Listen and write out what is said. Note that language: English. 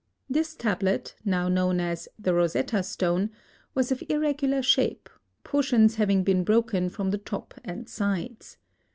This tablet, now known as "The Rosetta Stone," was of irregular shape, portions having been broken from the top and sides.